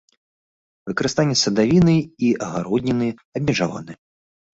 Выкарыстанне садавіны і агародніны абмежаваны.